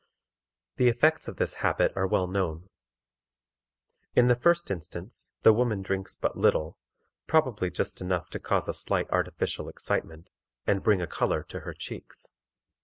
_ The effects of this habit are well known. In the first instance the woman drinks but little, probably just enough to cause a slight artificial excitement, and bring a color to her cheeks.